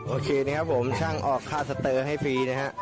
โอเคนะครับผมช่างออกค่าสเตอร์ให้ฟรีนะฮะ